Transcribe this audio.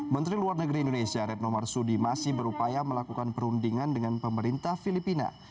menteri luar negeri indonesia retno marsudi masih berupaya melakukan perundingan dengan pemerintah filipina